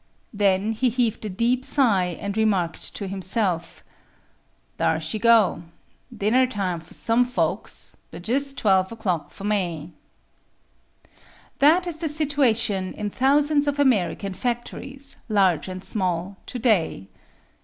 Then he heaved a deep sigh and remarked to himself: "Dar she go. Dinner time for some folks but jes' 12 o'clock fur me!" That is the situation in thousands of American factories, large and small, today.